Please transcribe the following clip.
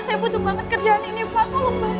saya butuh banget kerjaan ini pak